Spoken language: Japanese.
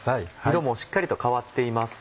色もしっかりと変わっています。